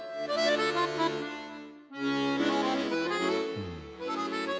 うん。